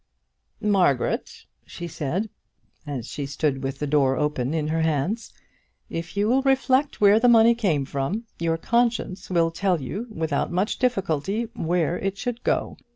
"Margaret," she said, as she stood with the door open in her hands, "if you will reflect where the money came from, your conscience will tell you without much difficulty where it should go to.